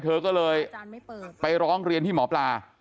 เธอก็เลยไปร้องเรียนที่หมอปลา